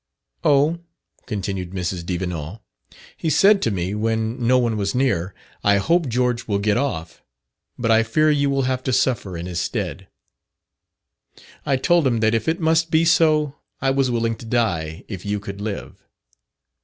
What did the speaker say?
"O!" continued Mrs. Devenant, "he said to me when no one was near, I hope George will get off, but I fear you will have to suffer in his stead. I told him that if it must be so I was willing to die if you could live."